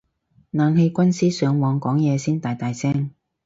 冷氣軍師上網講嘢先大大聲